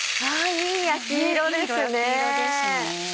いい焼き色ですね。